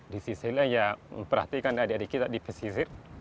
di sisil ya memperhatikan adik adik kita di sisil